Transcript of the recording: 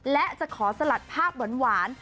และจะขอสลัดภาพหวาน